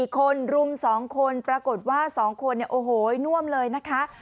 ๔คนรุม๒คนปรากฏว่า๒คนเนี่ยโอ้โหน่วมเลยนะคะ